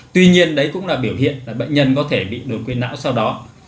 tuy nhiên đấy cũng là biểu hiện là bệnh nhân có thể bị đột quỵ não sau đó